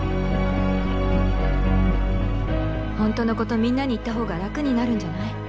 本当のことみんなに言った方が楽になるんじゃない？